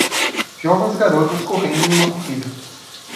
Jovens garotas correndo em uma corrida.